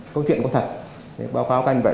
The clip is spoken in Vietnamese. câu chuyện có thật báo cáo canh vậy